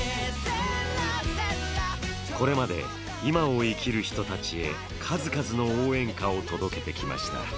これまで、今を生きる人たちへ数々の応援歌を届けてきました。